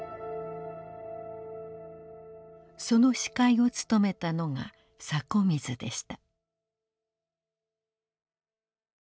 その司会を務めたのが迫水でした。